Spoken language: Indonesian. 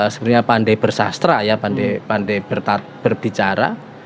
sebenarnya pandai bersastra ya pandai berbicara